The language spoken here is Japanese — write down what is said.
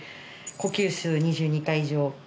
呼吸数２２回以上。